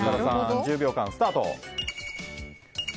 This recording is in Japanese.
１０秒間スタート。